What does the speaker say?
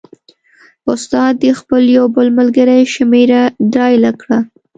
استاد د خپل یو بل ملګري شمېره ډایله کړه.